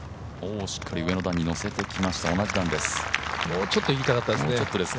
おお、しっかり上の段に乗せてきました、同じ段です。